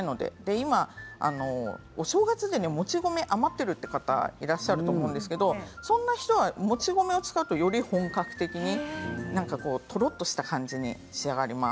今は、お正月で、もち米が余っている方いらっしゃると思うんですけどそんな人はもち米を使うと、より本格的にとろっとした感じに仕上がります。